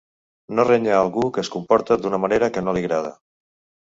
No renyà algú que es comporta d'una manera que no li agrada.